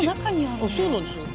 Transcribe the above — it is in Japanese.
あそうなんですよ。